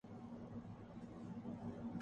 ملک کی معیشت ٹھیک کرنی ہے